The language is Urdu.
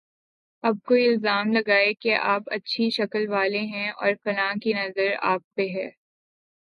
اب کوئی الزام لگائے کہ آپ اچھی شکل والے ہیں اور فلاں کی نظر آپ پہ ہے۔